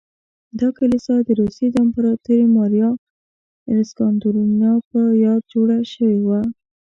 دا کلیسا د روسیې د امپراتورې ماریا الکساندرونا په یاد جوړه شوې وه.